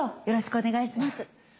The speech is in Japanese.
よろしくお願いします。